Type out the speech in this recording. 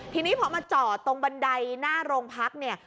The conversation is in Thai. ทีนี้พอมาจอดตรงบันไดหน้าโรงพักเนี่ย